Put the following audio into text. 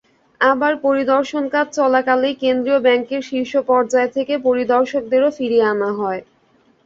আবার পরিদর্শনকাজ চলাকালেই কেন্দ্রীয় ব্যাংকের শীর্ষ পর্যায় থেকে পরিদর্শকদেরও ফিরিয়ে আনা হয়।